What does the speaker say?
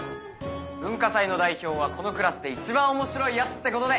文化祭の代表はこのクラスで一番面白いヤツってことで！